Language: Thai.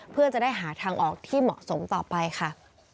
เพื่อจะได้หาทางออกที่เหมาะสมต่อไปค่ะ